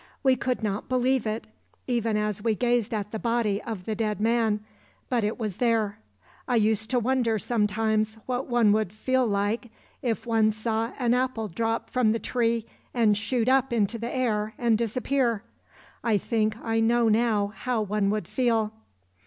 We could not believe it, even as we gazed at the body of the dead man; but it was there. I used to wonder sometimes what one would feel like if one saw an apple drop from the tree and shoot up into the air and disappear. I think I know now how one would feel.